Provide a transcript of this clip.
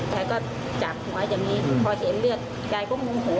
แกก็จับหัวอย่างนี้พอเห็นเลือดยายก็โมโห